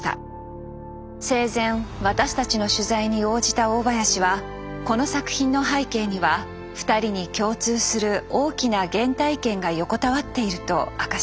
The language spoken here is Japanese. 生前私たちの取材に応じた大林はこの作品の背景には２人に共通する大きな原体験が横たわっていると明かしました。